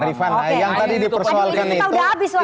rifana yang tadi dipersoalkan itu